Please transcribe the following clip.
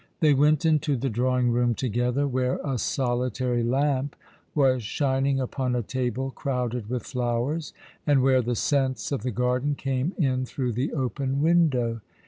They went into the drawing room together, where a solitary lamp was shining upon a table crowded with flowers, and where the scents of the garden came in through the open window.